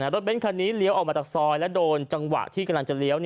รถเบ้นคันนี้เลี้ยวออกมาจากซอยและโดนจังหวะที่กำลังจะเลี้ยว